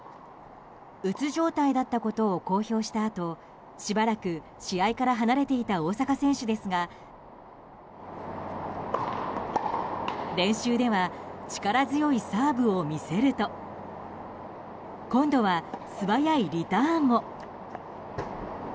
うつ状態だったことを公表したあとしばらく試合から離れていた大坂選手ですが練習では力強いサーブを見せると今度は素早いリターンも。